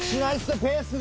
ペースが。